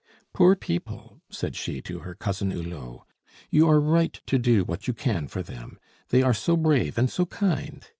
"Poor people!" said she to her Cousin Hulot, "you are right to do what you can for them; they are so brave and so kind!